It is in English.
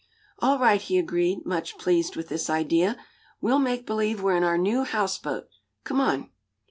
"All right," he agreed, much pleased with this idea. "We'll make believe we're in our new houseboat. Come on."